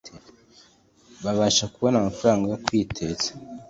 Babasha kubona amafaranga yo kwiteza